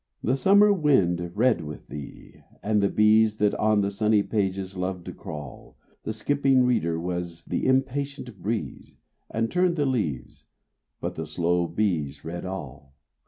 The summer wind read with thee, and the bees That on the sunny pages loved to crawl: A skipping reader was the impatient breeze, And turned the leaves, but the slow bees read all.